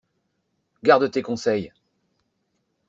Garde tes conseils!